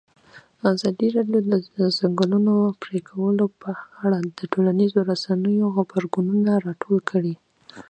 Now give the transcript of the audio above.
ازادي راډیو د د ځنګلونو پرېکول په اړه د ټولنیزو رسنیو غبرګونونه راټول کړي.